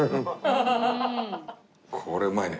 これうまいね。